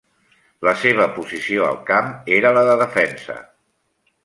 La seva posició al camp era la de defensa.